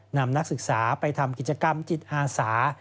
นักศึกษาไปทำกิจกรรมจิตอาสา